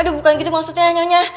aduh bukan gitu maksudnya nyonya